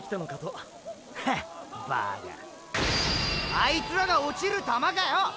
あいつらが落ちるタマかよ！